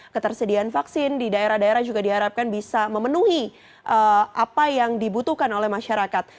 ketersediaan vaksin di daerah daerah juga diharapkan bisa memenuhi apa yang dibutuhkan oleh masyarakat